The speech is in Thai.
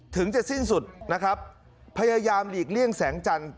ถึงจะสิ้นสุดนะครับพยายามหลีกเลี่ยงแสงจันทร์